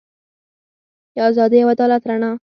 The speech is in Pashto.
د ازادۍ او عدالت رڼا.